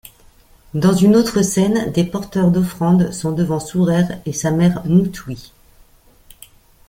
Dans une autre scène des porteurs d'offrandes sont devant Sourer et sa mère Mout-Touy.